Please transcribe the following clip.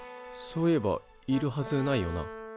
そういえばいるはずないよな。